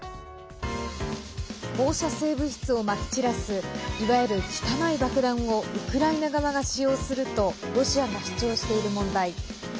放射性物質をまき散らすいわゆる汚い爆弾をウクライナ側が使用するとロシアが主張している問題。